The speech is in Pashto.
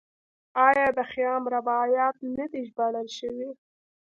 آیا د خیام رباعیات نه دي ژباړل شوي؟